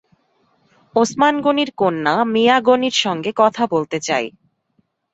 ওসমান গনির কন্যা মিয়া গনির সঙ্গে কথা বলতে চাই।